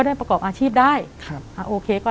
แต่ขอให้เรียนจบปริญญาตรีก่อน